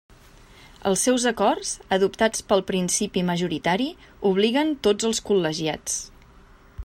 Els seus acords, adoptats pel principi majoritari, obliguen tots els col·legiats.